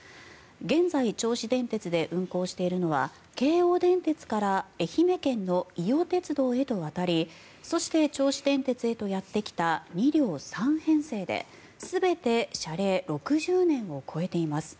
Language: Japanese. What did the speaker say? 現在、銚子電鉄で運行しているのは京王電鉄から愛媛県の伊予鉄道へと渡りそして銚子電鉄へとやってきた２両３編成で全て車齢６０年を超えています。